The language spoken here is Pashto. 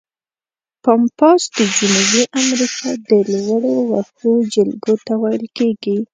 پامپاس د جنوبي امریکا د لوړو وښو جلګو ته ویل کیږي.